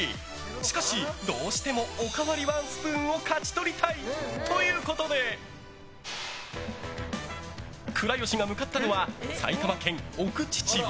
しかし、どうしてもおかわりワンスプーンを勝ち取りたい。ということで倉由が向かったのは埼玉県奥秩父。